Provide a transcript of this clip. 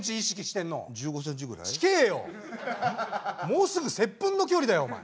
もうすぐせっぷんの距離だよお前。